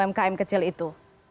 para pedagang umkm kecil itu